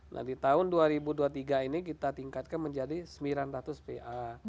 nah di tahun dua ribu dua puluh tiga ini kita tingkatkan menjadi sembilan ratus va